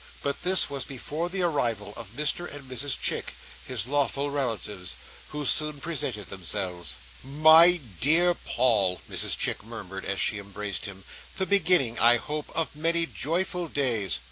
But this was before the arrival of Mr and Mrs Chick, his lawful relatives, who soon presented themselves. "My dear Paul," Mrs Chick murmured, as she embraced him, "the beginning, I hope, of many joyful days!"